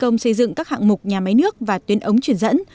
trong xây dựng các hạng mục nhà máy nước và tuyến ống chuyển dẫn